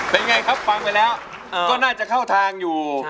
เป็นไงครับฟังไปแล้วก็น่าจะเข้าทางอยู่